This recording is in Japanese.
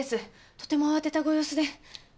とても慌てたご様子で。